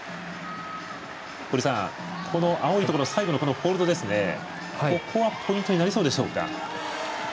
堀さん、この青いところ最後のホールドはここは、ポイントになりそうでしょうか。